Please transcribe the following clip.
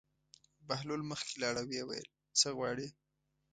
بهلول مخکې لاړ او ویې ویل: څه غواړې.